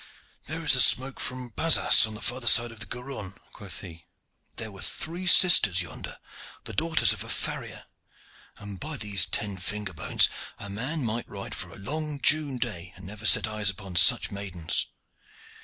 "There is the smoke from Bazas, on the further side of Garonne," quoth he. "There were three sisters yonder, the daughters of a farrier, and, by these ten finger bones! a man might ride for a long June day and never set eyes upon such maidens.